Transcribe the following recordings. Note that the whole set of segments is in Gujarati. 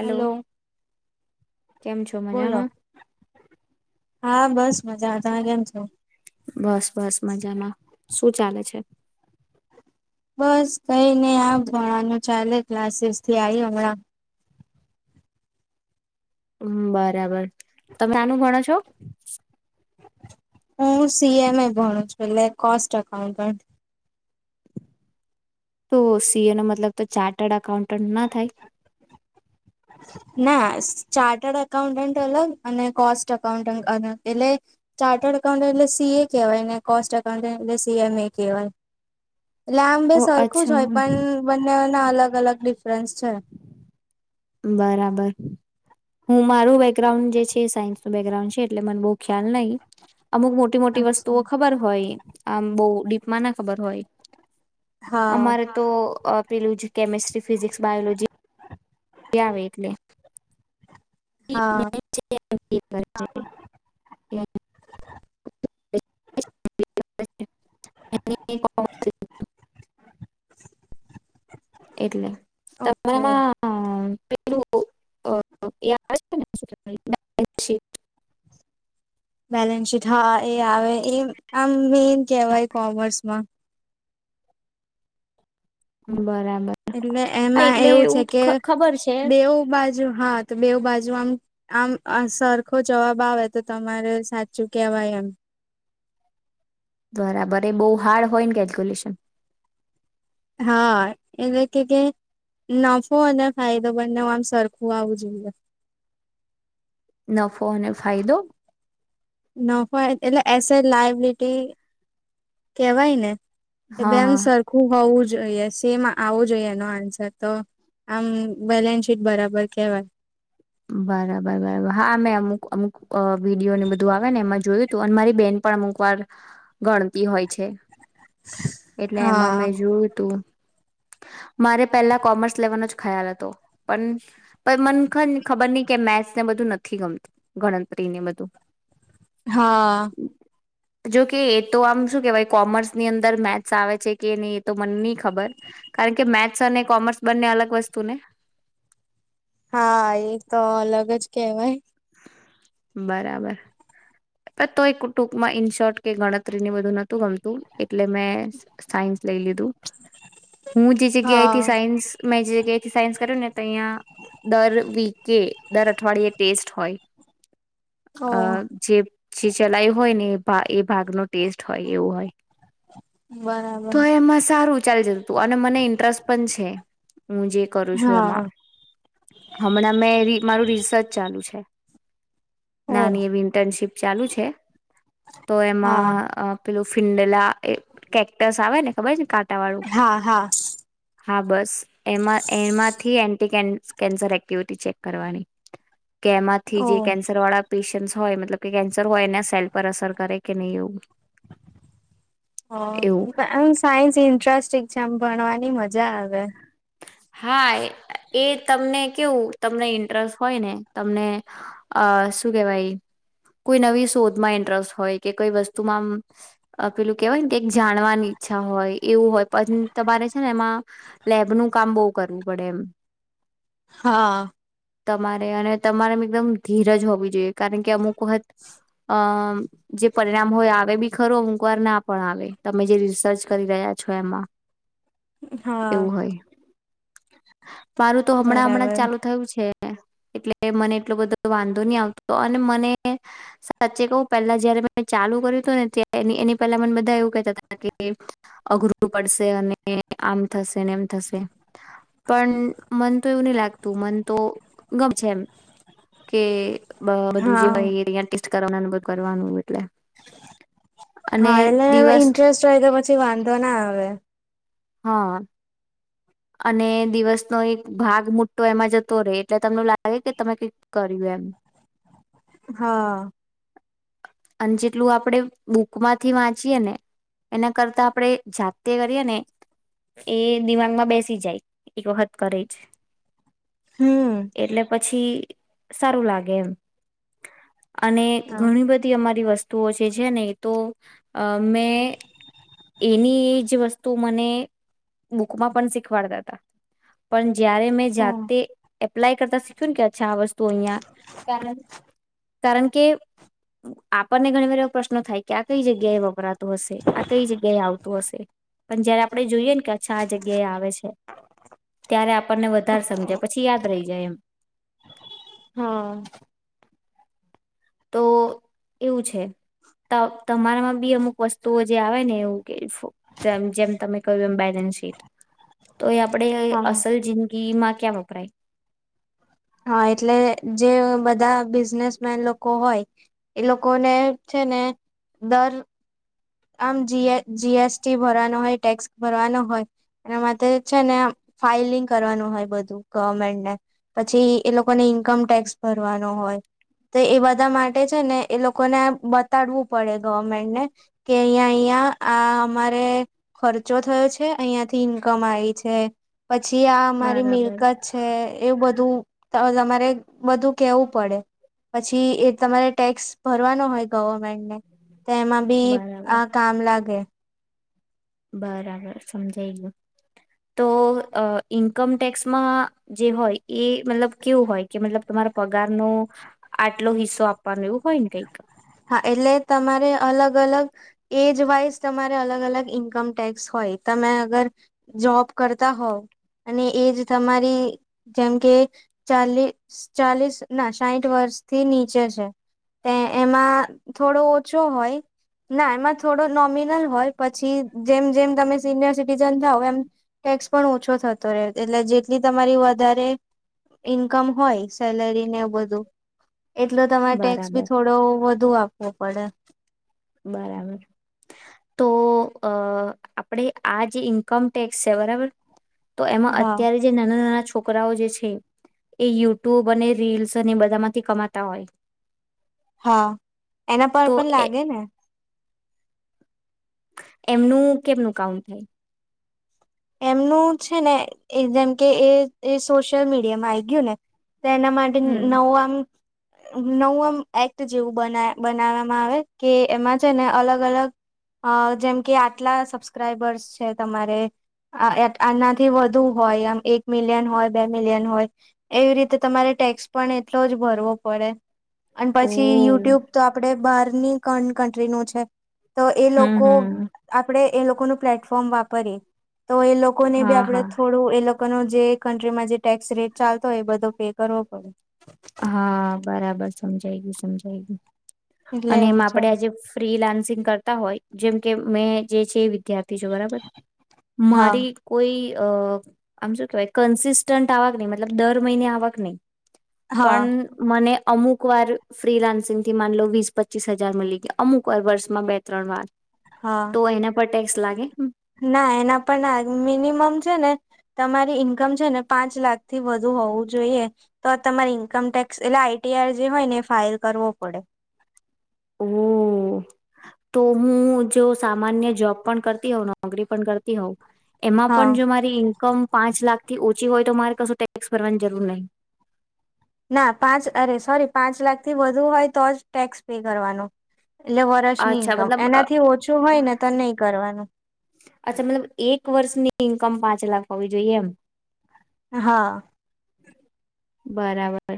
[inaudible] હલો કેમ છો બોલો મજામાં? [inaudible] હા બસ મજા [unintelligible] કેમ છો? બસ બસ મજામાં શું ચાલે છે? બસ કઈ નહી આ ભણાનું ચાલે ક્લાસીસથી આઈ હમણા [unintelligible] બરાબર તમે [unintelligible] ભણો છો? હું સી [unintelligible] એ ભણું છુ, [unintelligible] કોસ્ટ અકાઉન્ટન. તો સી એ નો મતલબ તો ચાર્ટર્ડ અકાઉન્ટન્ટ ના થાય? ના ચાર્ટડ અકાઉન્ટન્ટ અલગ અને કોસ્ટ અકાઉન્ટન્ટ અલગ એટલે ચાર્ટર્ડ અકાઉન્ટન્ટ એટલે સી એ કહેવાય ને કોસ્ટ અકાઉન્ટન્ટ એટલે [unintelligible] એ કહેવાય. ઓ [unintelligible] સરખું અચ્છા જ હોય પણ બંને ના અલગ અલગ ડિફરન્સ છે. બરાબર હું મારું બેગ્રાઉન્ડ જે છે, એ સાયન્સ નું બેગ્રાઉન્ડ છે, એટલે મને બો ખ્યાલ [unintelligible] અમુક મોટી મોટી અચ્છા વસ્તુઓ ખબર હોય. આમ બહુ ડીપમાં ના ખબર હોય. હા અમારે તો અ પેલું, [unintelligible] કેમેિસ્ટ્રી ફિઝિક્સ બાયોલોજી [unintelligible] આવે એટલે હા [inaudible] [inaudible] એટલે [unintelligible] ઓકે પેલું [inaudible] બેલેન્સ શીટ હા એ આવે એ આમ [unintelligible] કહેવાય કોમર્સમાં. બરાબર એટલે હા એમાં એટલે એવું છે, કે ખ- ખબર છે બેવું બાજુ હા તો બેવ બાજુ આમ આમ અ સરખો જવાબ આવે તો તમારે સાચું કેવાય એમ. બરાબર એ બહુ હાર્ડ હોય ને કેલ્ક્યુલેશન? હા એટલે [unintelligible] નફો અને ફાયદો બંને આમ સરખું આવવું જોઈએ. નફો અને ફાયદો નફો એ [unintelligible] એ સે લાયબલિટી કેવાય ને? હા [unintelligible] હા સરખું હોવું જ જોઈએ સેમ આવું જોઈએ એનો આન્સર તો આમ બેલેન્સ શીટ બરાબર કેહેવાય. બરાબર બરાબર હા મેં અમુક અમુક વિડીયોને બધું આવે ને એમાં જોયું તું અને મારી બેન પણ અમુક વાર ગણતી હોય છે. એટલે એમાં હા મેં જોયું તું મારે પેલા કોમર્સ લેવાનો જ ખ્યાલ હતો પણ મન ખબર નહ કે મેથસ ને બધું નથી ગમતું ગણતરી ને. બધું હા જોકે એ તો આમ શું કેહેવાય કોમર્સ ની અંદર મેથ્સ આવે છે, કે નહી એ તો મને નહી ખબર કારણ કે મેથ્સ અને કોમર્સ બંને અલગ વસ્તુ ને હા એ તો અલગ જ કેહેવાય. બરાબર તો એક ટુંકમાં ઈન શોર્ટ કે ગણતરી ની બધું નતું ગમતું એટલે મેં સાયન્સ લઈ લીધું હું જે જગ્યાએથી હા સાયન્સ મેં જે જગ્યાએથી સાયન્સ કર્યો ને તો અહીંયા દર વીકે દર અઠવાિયે ટેસ્ટ [unintelligible] અ ઓ જે જે ચલાયું હોય ને [inaudible] ભાગ ન ટેસ્ટ હોય એવું હોય બરાબર તો એમાં સારું ચાલ [unintelligible] તો અને મને ઇન્ટરેસ્ટ પણ છે, હું જે કરું છું, હા એમાં હમણાં મેં મારું રિસર્ચ ચાલુ છે, ઓહ નાની એ ઇન્ટર્નશીપ ચાલુ છે, તો હા એમાં પેલું ફિંડલા એ કેક્ટસ આવે ને ખબર ને કાંટા વાળું હા હા હા બસ એમાં એમાંથી એન્ટિક [unintelligible] કેન્સર એક્ટિવિટી ચેક કરવાની. કેમાંથી જે ઓહ કેન્સર વાળા [unintelligible] હોય મતલબ કેન્સર હોય એના સેલ પર અસર કરે કે નહીં એવું [unintelligible] [inaudible] [unintelligible] એવું ભણવાની મજ જા આવે. હા એ તમને કેવું તમને ઇન્ટરેસ્ટ હોય ને તમને અ શું કેવાય કોઈ નવી શોધમાં ઇન્ટરેસ્ટ હોય કે કોઈ વસ્તુમાં પેલું કેવાય ને કે જાણવાની ઈચ્છા હોય એવું હોય પણ તમારે છે, ને એમાં [unintelligible] કામ [unintelligible] કરવું પડે એમ હા તમારે અને તમારે એકદમ ધીરજ હોવી જોઈએ કારણ કે અમુક વખત [unintelligible] જે પરિણામ હોય આવે બી ખરું અમુક વાર ના પણ આવે તમે જે રિસર્ચ કરી રહ્યા છો એમાં. હા એવું હોય. [inaudible] મારું તો હમણાં હમણાં જ બરાબર ચાલુ થયું છે. એટલે મને એટલો બધો વાંધો નહી આવતો અને મને સાચે કવ પેલા જયારે મે ચાલુ કર્યું હતું ને એની પહેલા મને બધા એવું કેતા હતા કે અઘરું પડશે અને આમ થશે ને એમ થશે પણ મન તો એવું નહી લાગતું મન તો ગમશે એમ કે બ બધું જેય હા એ કરવા અુભૂ કરવાનું હોય હા એટલે એ દિવસ ઇન્ટરેસ્ટ હોય કે પછી વાંધો ના આવે હા અને દિવસનો એક ભાગ મોટો એમાં જતો રહેે એટલે તમને લાગે કે તમે કઈક કર્યું એમ હા અને જેટલું આપણેે બુકમાંથી વાંચીએ ને એના કરતા આપણેે જાતે કરીએ ને એ દિમાગમાં બેસી સી જાય એક વખત કરે છે હમ એટલે પછી પછી સારું લાગે એમ અને હા ઘણી બધી અમારી વસ્તુ તો જે છે ને તો અ મેં એની એ જ વસ્તુ મને બુકમાં પણ શીખવાડતા હતા પણ જયારે મેં હ હા જાતે એપ્લાય કરતા શીખ્યું કે્છા આ વસ્તુ અહ કારણ કે આપણને ઘણી વાર એવ પ્રશ્નો થાય કે આ કઈ જગ્યા એ વપરાતું હશે કઈ જગ્યાએ આવતું હશે પણ જયારે આપડે જોઈએ ને કે અચ્છા આ જગ્યા એ આવે છે ત્યારે આપણને વધારે સમજાય પછી યાદ રહી જાય એમ હા તો એવું છે તમારામાં બી અમુક વસ્તુઓ જે આવે ને એવું કે જેમ તમે કહ્યું એમ બેલેન્સ શીટ તો એ આપણેે હા અસલ જિંદગી હમાં ક અભિપ્રાય હા એટલે જે બધા બિઝનેસમેન લોકો હોય એ લોકોને છે ને દર આમ જીએ જીએસટી ભરવાનો હોય ટેક્સ ભરવાનો હોય એના માટે છે ને ફાાઈલિંગ કરવાનું હોય બધું ગવર્મેન્ટને પછી એ લોકોને ઈન્કમ ટેક્સ ભરવાનો હોય તો એ બધા માટે છે ને એ લોકોને બતાડવું પડે ગવમેન્ટને કે અહિયાં અહિયાં આ અમારે ખર્ચો થયો છે અહંથી ઇન્કમ આવી છે પછી આ અમારી બરાબર મિલકત છે એવું બધું બધું કેવું પડે પછી એ તમારે ટેક્સ ભરવાનો હોય ગવર્મેન્ટ ને તેમાં બી બરાબર આ કામ લાગે બરાબર સમજાય ગું તો ઈન્કમ ટેક્સમાં જે હોય એ મતલબ કેવું હોય કે મતલબ તમારો પગાર ન આટલો હિસ્સો આપવાનો એવું હોય ને કઈક હા એટલે તમારે અલગ અલગ એજ વાઇઝ તમારે અલગ અલગ ઈન્કમ ટેક્સ હોય તમે અગર જોબ કરતા હોવ અને એજ તમારી જેમ કે ચાલીસ ચાલીસ ના સાહીઠ વર્ષથી નીચે છે એમાં થોડો ઓછો હોય ના એમાં થોડો નોમિનલ હોય પછી જેમ જેમ તમે સિનિયર સિટીઝન થ હો એમ ટેક્સ પણ ઓછો થતો રહે એટલે જેટલી તમારી વધારે ઈન્કમ હોય સેલરીને ું એટલે તમારે ટેક્સ બી બરાબર થોડું તો વધુ આપવો પડે બરાબર તો અ આપડે આ જે ઇન્કમ ટેક્સ છે બરાબર તો એમાં હા અત્યારે જે નાના નાના છો છોકરાઓ જે છે, એ યુટ્યુબ અને રીલ્સ અને બધામાંથી કમાતા હોય. હા, એના પર તો પણ એ લાગે ને. એમનું કેમનું કાઉન્ટ થાય? એમનું છે ને એ જેમ કે એ એ સોશિયલ મીડિયામાં આવી ગયું ને. તો એના માટે હમ નવું આમ નવ આમ એક્ટ જેવું બ બનાવવામાં આવે, કે એમાં છે ને અલગ અલગ અ જેમ કે આટલા સબસ્ક્રાઈબર્સ છે તમારે આ આનાથી વધુ હોય, આમ એક મિલિયન હોય, બે મિલિયન હોય, એવી રીતે તમારે ટેક્સ પણ એટલોજ ભરવો પડે અને પછી હમ યુટ્યુબ તો આપડે બહાર ની કો કન્ટ્રીનું છે. તો એ લોકો હમ આપડે એ લોકોનું પ્લેટફોર્મ વાપરીએ તો એ લોકો ને બી હા આપડે હા થોડું એ લોકો કનો જે કન્ટ્રીમાં જે ટેક્સ રેટ ચાલતો હોય એ બધો પે કરવો પડે. સમજાય ગયું, સમજાય ગયું. એટલે અને એમ એવું છે આપડે આજે ફ્રી લાન્સિંગ કરતા હોય, જેમ કે મેં જે છે એ વિધાર્થી છું બરાબર, હા મારી કોઈ અહ આમ શું કેહેવાય કન્સિસ્ટન્ટ આવક નઈ, મતલબ દર મહિને આવક નઈ હા પણ મને અમુક વાર ફ્રી લાન્સિંગથી માનલો વીસ પચીસ હજાર મળી ગયા, અમુક વાર વર્ષમાં બે ત્રણ વાર હા તો એના પટ ટેક્સ લાગે? ના એના પણ ના, મિનિમમ છે ને તમારી ઈન્કમ છે ને પાંચ લાખ થી વધુ હોવું જોઈએ, તો આ તમારે ઈન્કમ ટેક્સ એટલે આઈ ટી આર જે હોય ને એ ફાઇલ કરવો પડે. ઓહ! તો હું જો સામાન્ય જોબ પણ કરતી હોવ, નોકરી પણ કરતી હોવ એમાં પણ હા જો મારી ઈન્કમ પાંચ લાખ થી ઓછી હોય તો મારે કશું ટેક્સ ભરવાની જરૂર નહીં. ના પાંચ, અરે સોરી, પાંચ લાખ થી વધુ હોય તો જ ટેક્સ પે કરવાનો. એટલે વરસ ની અચ્છા ઇન્કમ, મતલબ અ એનાથી ઓછું હોયને તો નહીં કરવાનું. અચ્છા મતલબ, એક વર્ષની ઈન્કમ પાંચ લાખ હોવી જોઈએ એમ? હા. બરાબર.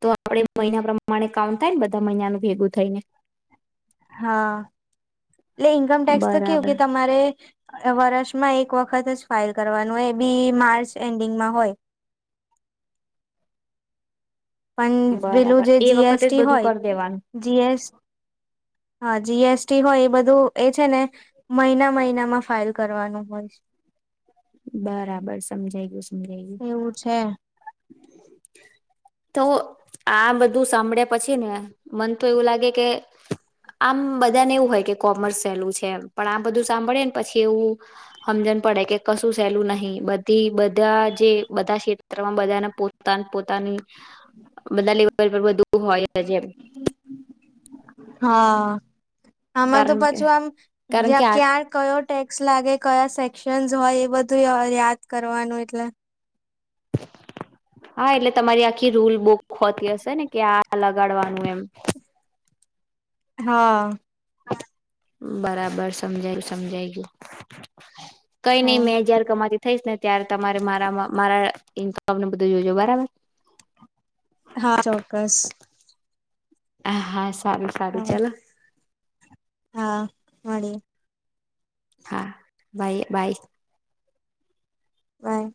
તો આપડે મહિના પ્રમાણે કાઉન્ટ થાય ને બધા મહિનાનું ભેગું થઈને? હા. એટલે ઈન્કમ ટેક્સ તો કેવું બરાબર કે તમારે વરસમાં એક વખત જ ફાઇલ કરવાનું હોય, એ બી માર્ચ એન્ડિંગમાં હોય. પણ પેલું બરાબર જે એ વખતે જ જીએસટી બધું હોય કરી દેવાનું જીએસ હા જીએસટી હોય એ બધું એ છે ને મહિના મહિનામાં ફાઈલ કરવાનું હોય છે. બરાબર સમજાય ગું સમજાય ગયું. એવું છે તો આ બધું સાંભળ્યા પછી ને મન તો એવું લાગે કે આમ બધાને એવું હોય કે કોમર્સ સહેલું છે પણ આ બધું સાંભળે ને પછી એવું સમજણ પડે કે કશું સહેલું નહી બધી બધા જે બધા ક્ષેત્રમાં બધાને પોતા પોતાની બધા લેવલ પર બધું. મોય જેમ હા. આમાં તો કે પછું આમ કારણ કે આ જ્યાં ક્યા ઓક્શન હોય એ બધું યાદ કરવાનું એટલે હા એટલે તમારી આખી રૂલ બુક હોતી હશે ને કે આ લગાડવાનું એમ. હા. બરાબર સમજાયુ સમજાઈ ગયું. કઈ હા નહી મેં જયાર કમાતી થઈશ ને ત્યારે તમારે મારામાં મારા [unintelligible] બધું જોજો બરાબર. હા ચોક્કસ. હાશ. સારું સારું હા ચાલો. હા મળી. હા બાય બાય. બાય.